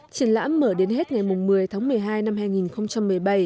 triển lãm mở đến hết ngày một mươi tháng một mươi hai năm hai nghìn một mươi bảy